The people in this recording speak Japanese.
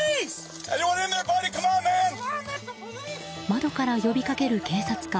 窓から呼びかける警察官。